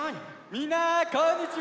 みんなこんにちは！